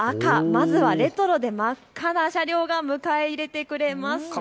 まずはレトロで真っ赤な車両が迎え入れてくれます。